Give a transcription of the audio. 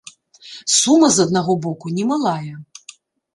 Сума, з аднаго боку, немалая.